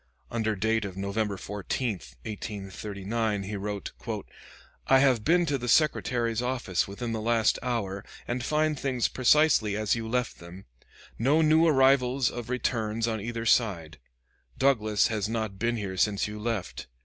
Under date of November 14, 1839, he wrote: "I have been to the Secretary's office within the last hour, and find things precisely as you left them; no new arrivals of returns on either side. Douglas has not been here since you left.